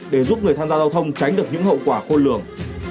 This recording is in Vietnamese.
để giúp người tham gia giao thông tránh được những hậu quả khôn lường